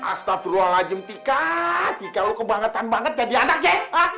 astagfirullahaladzim tika atika lo kebangetan banget jadi anak ya